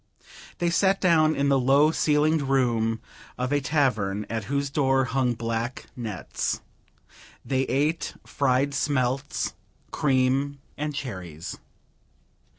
They sat down in the low ceilinged room of a tavern, at whose door hung black nets. They ate fried smelts, cream and cherries.